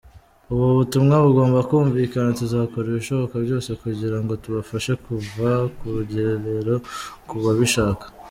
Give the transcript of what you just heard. Ubu butumwa bugomba kumvikana: Tuzakora ibishoboka byose kugira ngo tubafashe kuva kurugerero ku babishaka.